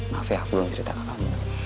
maaf ya aku belum ceritain